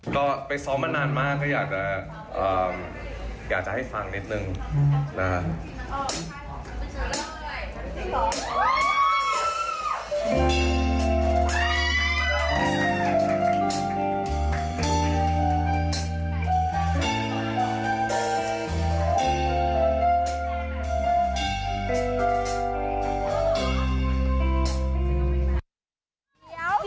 ก็ไปซ้อมมานานมากก็อยากจะอยากจะให้ฟังนิดนึงนะฮะ